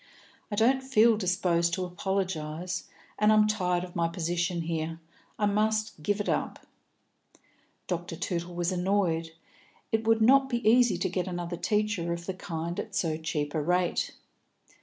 "I don't feel disposed to apologise, and I am tired of my position here. I must give it up." Dr. Tootle was annoyed. It would not be easy to get another teacher of the kind at so cheap a rate.